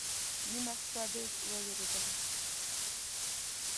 نیمه شپه ډېر ووېرېدم